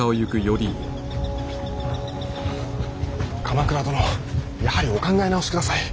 鎌倉殿やはりお考え直しください。